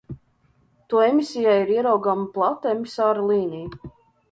To emisijā ir ieraugāma plata emisāra līnija.